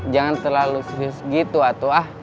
jangan terlalu serius gitu atu